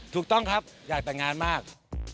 ถูกต้องครับอยากแต่งงานมาก